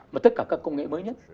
mà tất cả các công nghệ mới nhất